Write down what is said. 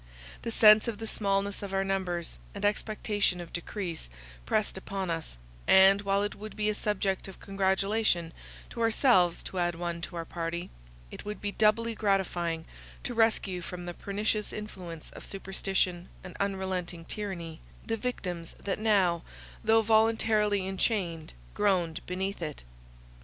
The sense of the smallness of our numbers, and expectation of decrease, pressed upon us; and, while it would be a subject of congratulation to ourselves to add one to our party, it would be doubly gratifying to rescue from the pernicious influence of superstition and unrelenting tyranny, the victims that now, though voluntarily enchained, groaned beneath it.